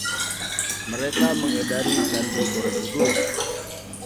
mereka mengedari candi Borobudur